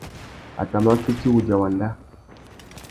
A tà mà fiti wudja wanda.